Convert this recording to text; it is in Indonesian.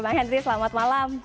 bang hendri selamat malam